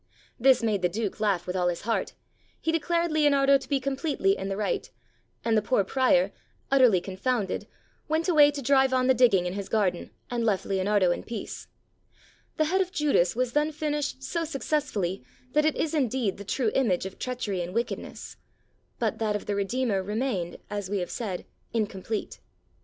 This made the STORIES OF LEONARDO DA VINCI Duke laugh with all his heart, he declared Leonardo to be completely in the right, and the poor Prior, utterly confounded, went away to drive on the digging in his garden, and left Leonardo in peace: the head of Judas was then finished so successfully that it is indeed the true image of treachery and wickedness; but that of the Redeemer remained, as we have said, incomplete.